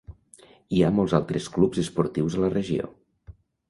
Hi ha molts altres clubs esportius a la regió.